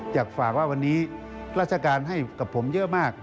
อยากฝากว่าวันนี้ราชการให้กับผมเยอะมาก